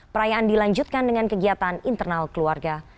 perayaan dilanjutkan dengan kegiatan internal keluarga